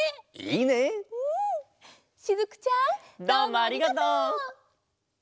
どうもありがとう！